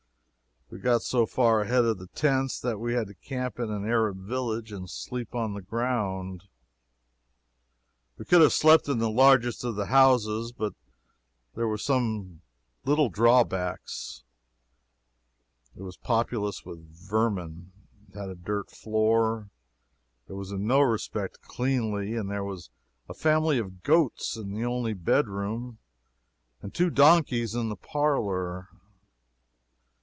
We got so far ahead of the tents that we had to camp in an Arab village, and sleep on the ground. We could have slept in the largest of the houses; but there were some little drawbacks: it was populous with vermin, it had a dirt floor, it was in no respect cleanly, and there was a family of goats in the only bedroom, and two donkeys in the parlor.